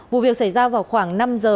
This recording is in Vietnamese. vụ việc xảy ra vào khoảng năm giờ